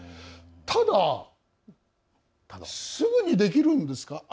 ただ、すぐにできるんですか？